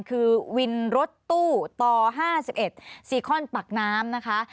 คือวินรถตู้ต่อ๕๑ซีคอนปากน้ำนะคะ